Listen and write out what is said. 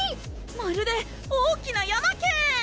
まるで大きな山ケーン！